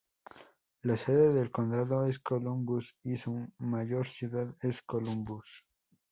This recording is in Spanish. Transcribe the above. La sede del condado es Columbus, y su mayor ciudad es Columbus.